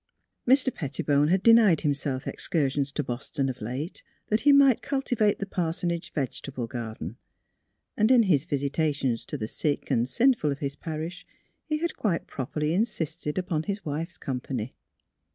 Mr. Petti bone had denied himself excursions to Boston of late that he might cultivate the parsonage vege table garden, and in his visitations to the sick and sinful of his parish he had quite properly insisted upon his wife's company.